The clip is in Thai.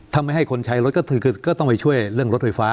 ถ้าไม่ให้คนใช้รถก็คือก็ต้องไปช่วยเรื่องรถไฟฟ้า